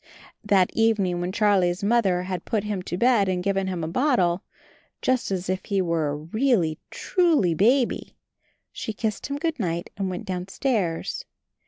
That evening when Charlie's Mother had put him to bed and given him a bottle, just as if he were a really truly baby, she kissed him good night and went downstairs.